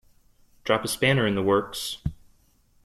Drop a spanner in the works